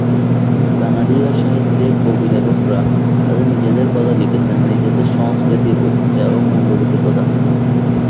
কানাডীয় সাহিত্যে কবি-লেখকেরা তাঁদের নিজেদের কথা লিখেছেন, নিজেদের সংস্কৃতি, ঐতিহ্য এবং মূল্যবোধের কথা।